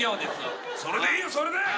それでいいよそれで。